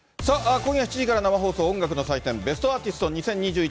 今夜７時から生放送、音楽の祭典、ベストアーティスト２０２１。